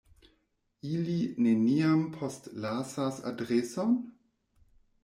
Ili neniam postlasas adreson?